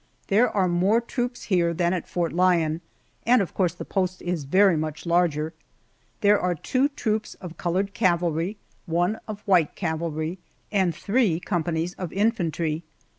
There are more troops here than at Fort Lyon, and of course the post is very much larger. There are two troops of colored cavalry, one of white cavalry, and three companies of infantry.